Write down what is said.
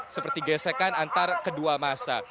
seperti gesekan antar kedua masa